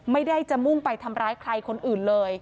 ไม่ได้จะมุ่งไปทำร้ายใครคนอื่นเลย